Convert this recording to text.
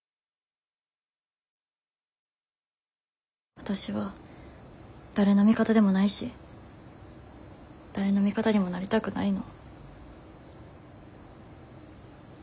わたしは誰の味方でもないし誰の味方にもなりたくないの。